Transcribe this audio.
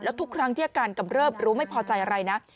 ทุกครั้งที่อาการกำเริบรู้ไม่พอใจอะไรนะ